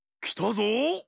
きたぞ。